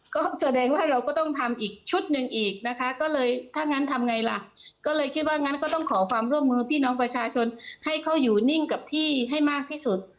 ก็แสดงว่าเราก็ต้องทำอีกชุดหนึ่งอีกนะคะก็เลยถ้างั้นทำไงล่ะก็เลยคิดว่างั้นก็ต้องขอความร่วมมือพี่น้องประชาชนให้เขาอยู่นิ่งกับที่ให้มากที่สุด